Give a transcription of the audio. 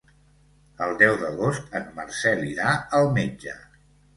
El deu d'agost en Marcel irà al metge.